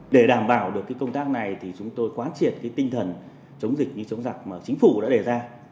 để đảm bảo được công tác này chúng tôi quán triệt tinh thần chống dịch như chống dạc mà chính phủ đã đề ra